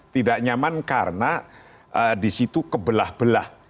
tidak nyaman karena disitu kebelah belah